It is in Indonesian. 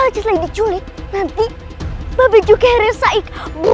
kalau diculik nanti babi juga heresaik